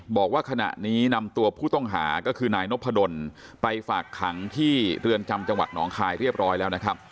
บอกว่าขณะนี้นำตัวผู้ต้องหาก็คือนายนพดลไปฝากขังที่เรือนจำจังหวัดหนองคายเรียบร้อยแล้วนะครับ